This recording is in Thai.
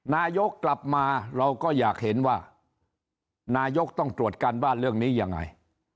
นายกกลับมาเราก็อยากเห็นว่านายกต้องตรวจการบ้านเรื่องนี้ยังไง